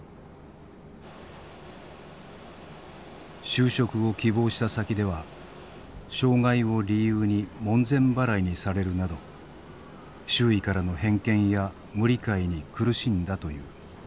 就職を希望した先では障害を理由に門前払いにされるなど周囲からの偏見や無理解に苦しんだという。